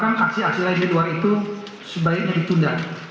karena aksi aksi lain di luar itu sebaiknya ditunda